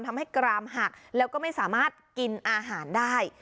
กรามหักแล้วก็ไม่สามารถกินอาหารได้